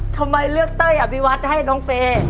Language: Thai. ทำไมเลือกเต้ยอภิวัตให้น้องเฟย์